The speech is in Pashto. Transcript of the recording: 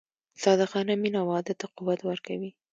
صادقانه مینه واده ته قوت ورکوي.